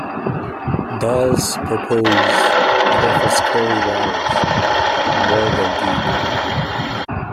Dall’s porpoise prefers cold waters more than deep.